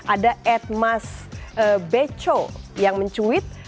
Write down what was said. ada atmasbeco yang mencuit